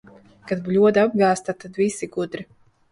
Kad bļoda apgāzta, tad visi gudri.